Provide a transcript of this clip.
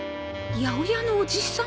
八百屋のおじさん？